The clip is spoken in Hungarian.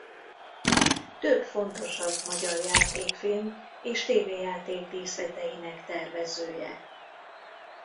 Több fontosabb magyar játékfilm és tévéjáték díszleteinek tervezője.